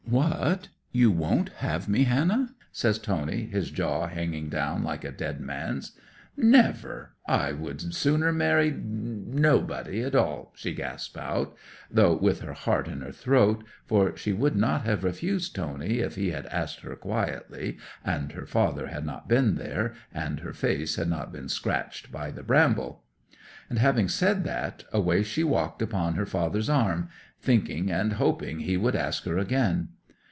'"What, you won't have me, Hannah?" says Tony, his jaw hanging down like a dead man's. '"Never—I would sooner marry no—nobody at all!" she gasped out, though with her heart in her throat, for she would not have refused Tony if he had asked her quietly, and her father had not been there, and her face had not been scratched by the bramble. And having said that, away she walked upon her father's arm, thinking and hoping he would ask her again.